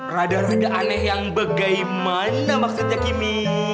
rada rada aneh yang bagaimana maksudnya kimmy